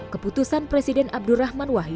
keputusan presiden abdurrahman wahid